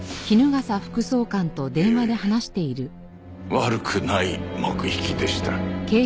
ええ悪くない幕引きでした。